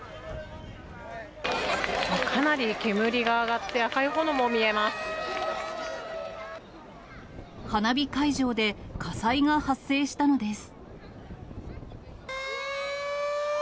かなり煙が上がって、花火会場で火災が発生したのです。